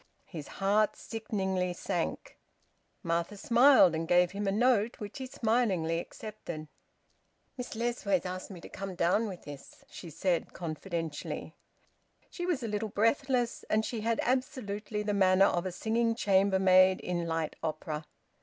His heart sickeningly sank. Martha smiled and gave him a note, which he smilingly accepted. "Miss Lessways asked me to come down with this," she said confidentially. She was a little breathless, and she had absolutely the manner of a singing chambermaid in light opera.